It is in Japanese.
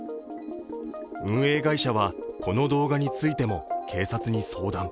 運営会社はこの動画についても警察に相談。